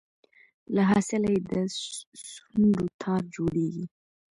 له حاصله یې د سونډو تار جوړیږي